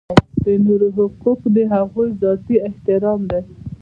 د نورو حقوق د هغوی ذاتي احترام دی.